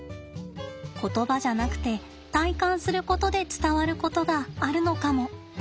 言葉じゃなくて体感することで伝わることがあるのかも。